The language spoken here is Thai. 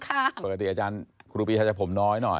ปกติอาจารย์ครูปีชาจะผมน้อยหน่อย